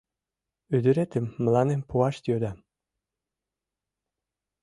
Ӱдыретым мыланем пуаш йодам...